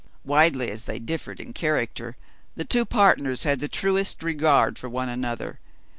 Widely as they differed in character, the two partners had the truest regard for one another.